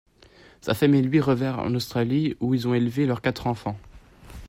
Sa femme et lui revinrent en Australie où ils ont élevé leurs quatre enfants.